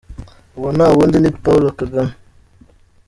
Uwo nta wundi ni Paulo Kagame.